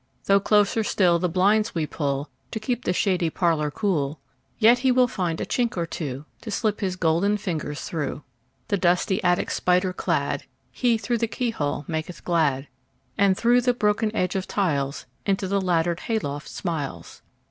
Though closer still the blinds we pullTo keep the shady parlour cool, Yet he will find a chink or twoTo slip his golden fingers through. The dusty attic spider cladHe, through the keyhole, maketh glad; And through the broken edge of tiles, Into the laddered hay loft smiles.